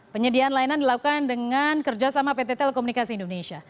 penyediaan layanan dilakukan dengan kerjasama pt telekomunikasi indonesia